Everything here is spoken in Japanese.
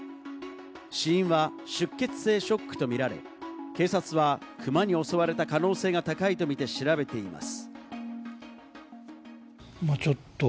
死因は出血性ショックとみられ、警察はクマに襲われた可能性が高いとみて調べています。